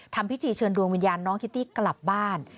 ทำพิธีเชิญดวงวิญญาณน้องคิตตี้กลับบ้าน